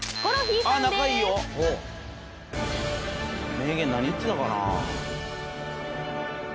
名言何言ってたかな？